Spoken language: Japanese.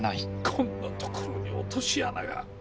こんなところに落とし穴が。